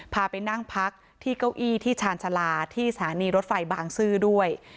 พาไปนั่งพักที่เก้าอี้ที่ชาญชาลาที่สถานีรถไฟบางซื่อด้วย